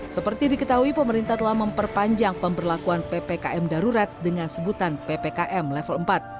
seperti diketahui pemerintah telah memperpanjang pemberlakuan ppkm darurat dengan sebutan ppkm level empat